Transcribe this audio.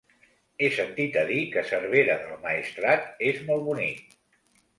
He sentit a dir que Cervera del Maestrat és molt bonic.